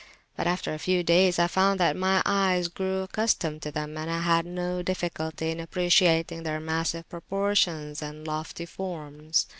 But after a few days I found that my eye grew accustomed to them, and I had no difficulty in appreciating their massive proportions and lofty forms.